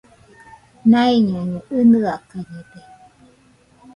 Naiñaiño ɨnɨakañede